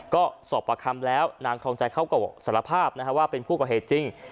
ก็สอบประคำแล้วนางทองใจเขาก็สารภาพว่าเป็นผู้ก่อเหตุจริง